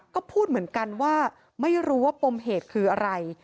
ก็พูดเหมือนกันว่าไม่รู้ว่าปมเหตุคืออะไร